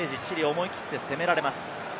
思い切って攻められます。